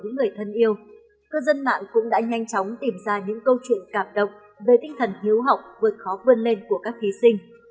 những người thân yêu cư dân mạng cũng đã nhanh chóng tìm ra những câu chuyện cảm động về tinh thần hiếu học vượt khó vươn lên của các thí sinh